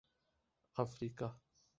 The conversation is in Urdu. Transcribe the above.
افریقہ